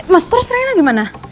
mas terus rena gimana